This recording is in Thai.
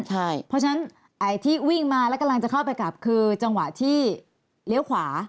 เพราะฉะนั้นไอ้ที่วิ่งมาแล้วกำลังจะเข้าไปกลับคือจังหวะที่เลี้ยวขวา